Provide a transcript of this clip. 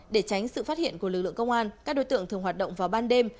để tránh sự phát hiện của lực lượng công an các đối tượng thường hoạt động vào ban đêm